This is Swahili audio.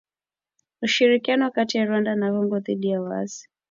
Ushirikiano kati ya Rwanda na Kongo dhidi ya waasi